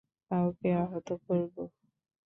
কাউকে আহত করব?